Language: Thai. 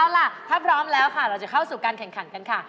เอาล่ะถ้าพร้อมแล้วค่ะเราจะเข้าสู่การแข่งขันกันค่ะ